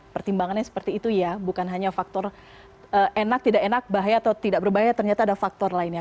pertimbangannya seperti itu ya bukan hanya faktor enak tidak enak bahaya atau tidak berbahaya ternyata ada faktor lainnya